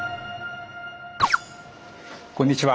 こんにちは。